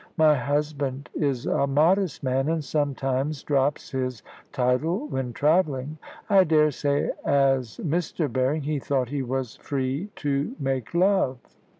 My husband is a modest man, and sometimes drops his title when travelling. I daresay, as Mr. Berring, he thought he was free to make love."